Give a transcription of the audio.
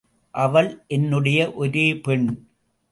அவள் என்னுடைய ஒரே பெண்.